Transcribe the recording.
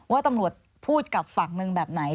ว่าตำรวจพูดกับฝั่งหนึ่งแบบไหน